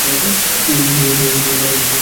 তিনি মাধব, ভাগ্নে!